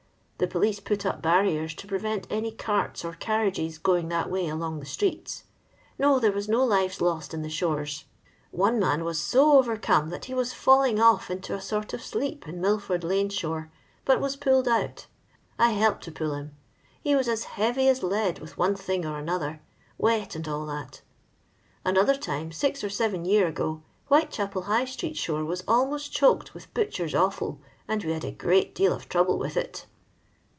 The police put up barriers to prerent any carts or carriages going that way along the sticets. No, there was no lives lost in the shora. One LONDON LABOUR AND TUB LONDON POOR. 431 man was to OTereome that he was fidling off into a tort of ileep in liilford hme ihort^ but was Soiled out. I helped to pull him. He was as eary as lead with one thing or other — wet» and all that Another time, six or seven year ago, Whiiechapel High street tikon was almost choked with butchers' o&l, and we had a great deal of trouble with it."